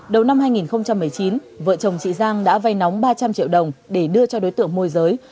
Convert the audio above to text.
đầu năm hai nghìn một mươi chín vợ chồng chị giang đã vay nóng ba trăm linh triệu đồng để đưa cho đối tượng môi giới